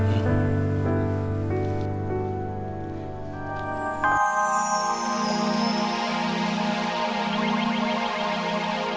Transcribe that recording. sampai jumpa lagi